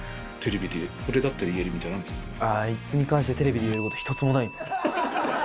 テレビでこれだったら言えるあいつに関してテレビで言えること、一つもないですね。